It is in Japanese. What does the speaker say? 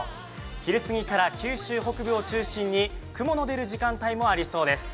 昼過ぎから九州北部を中心に雲の出る時間帯もありそうです。